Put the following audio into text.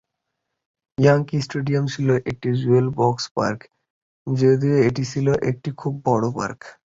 Yankee stadium ছিল একটি jewel box park, যদিও এটি ছিল একটি খুব বড় পার্ক।